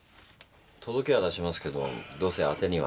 届けは出しますけどどうせ当てには。